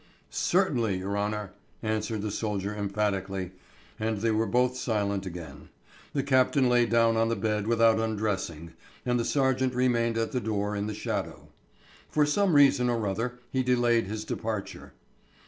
"Certainly, your honour," answered the soldier emphatically.... And they were both silent again. The captain lay down on the bed without undressing, and the sergeant remained at the door in the shadow. For some reason or other he delayed his departure.